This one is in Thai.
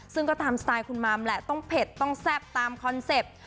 ซึ่งก็ตามสไตล์คุณมัมแหละต้องเผ็ดต้องแซ่บตามคอนเซ็ปต์